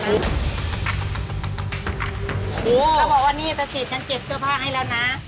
แล้วบอกว่าหนี้ตะสินเก็บเสื้อผ้าให้แล้วนะ